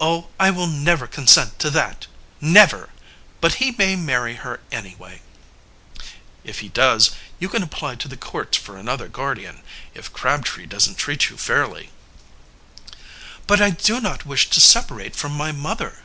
"Oh, I will never consent to that never! But he may marry her anyway." "If he does, you can apply to the courts for another guardian if Crabtree doesn't treat you fairly." "But I do not wish to separate from my mother."